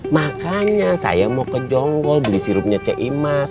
makanya saya mau ke jonggol beli sirupnya cek imas